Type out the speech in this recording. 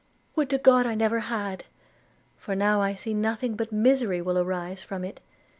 'Would to God I never had! for now I see nothing but misery will arise from it.